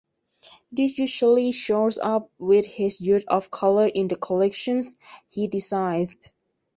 This usually shows up with his use of colour in the collections he designs.